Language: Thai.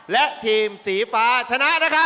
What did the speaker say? และทีมสีฟ้าชนะนะครับ